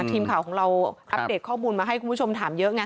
ทีมข่าวของเราอัปเดตข้อมูลมาให้คุณผู้ชมถามเยอะไง